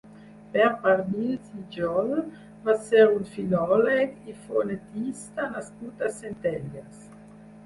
Pere Barnils i Giol va ser un filòleg i fonetista nascut a Centelles.